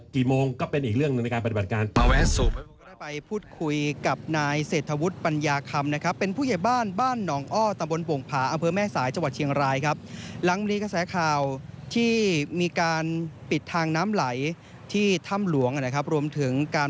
กี่โมงก็เป็นอีกเรื่องหนึ่งในการปฏิบัติการ